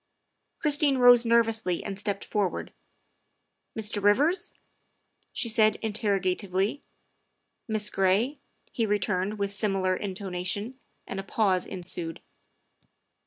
Christine rose nervously and stepped forward. " Mr. Rivers?" she said interrogatively. " Miss Gray?" he returned with similar intonation, and a pause ensued.